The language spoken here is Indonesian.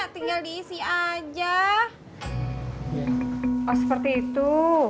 terima kasih bu